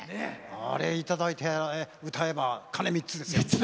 あれ、いただいて歌えば鐘３つですよ。